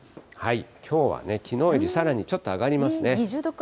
きょうはね、きのうよりさらにちょっと上がりますね。